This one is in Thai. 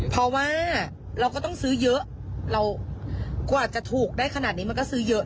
เพราะว่าเราก็ต้องซื้อเยอะเรากว่าจะถูกได้ขนาดนี้มันก็ซื้อเยอะ